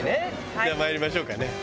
ではまいりましょうかね。